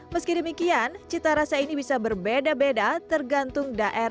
meski di indonesia tidak ada yang mencari es teler tapi di jakarta ada yang mencari es teler